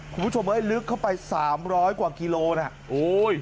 คุณผู้ชมเอ้ยลึกเข้าไป๓๐๐กว่ากิโลนาฮะ